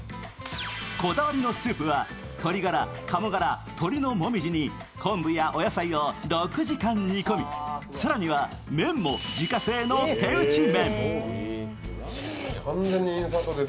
こだわりのスープは鶏ガラ、鶏のもみじ、かもガラ昆布やお野菜を６時間煮込み更には麺も自家製の手打ち麺。